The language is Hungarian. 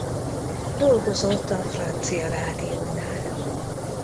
Dolgozott a francia rádiónál.